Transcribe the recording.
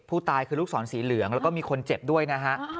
ผู้ตายคือลูกศรสีเหลืองแล้วก็มีคนเจ็บด้วยนะฮะ